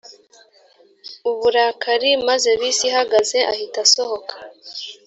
uburakari maze bisi ihagaze ahita asohoka